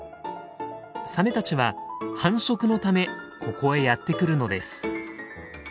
サメたちは繁殖のためここへやって来るのです。